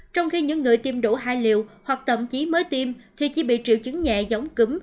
trong khi những người tiêm đủ hai liệu hoặc thậm chí mới tiêm thì chỉ bị triệu chứng nhẹ giống cúm